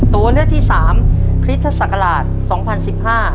ตัวเลือกที่๓คริสต์ศักราช๒๐๑๕